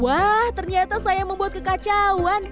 wah ternyata saya membuat kekacauan